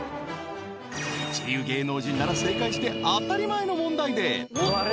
一流芸能人なら正解して当たり前の問題で